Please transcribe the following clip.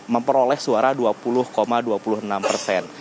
memperoleh suara dua puluh dua puluh enam persen